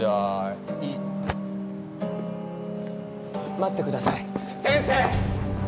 待ってください先生！